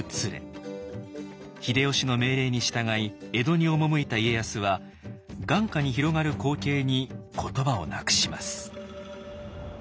秀吉の命令に従い江戸に赴いた家康は眼下に広がる光景に言葉をなくします。